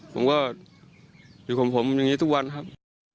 ผมก็อยู่ของผมอย่างนี้ทุกวันครับ